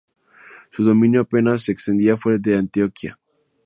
Su dominio apenas se extendía fuera de Antioquía.